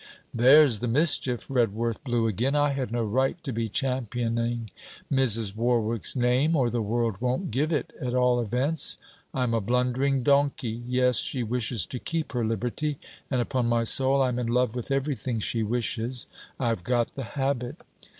'There's the mischief!' Redworth blew again. 'I had no right to be championing Mrs. Warwick's name. Or the world won't give it, at all events. I'm a blundering donkey. Yes, she wishes to keep her liberty. And, upon my soul, I'm in love with everything she wishes! I've got the habit.'